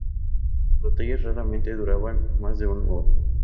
Las batallas raramente duraban más de una hora.